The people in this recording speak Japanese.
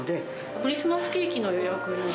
クリスマスケーキの予約。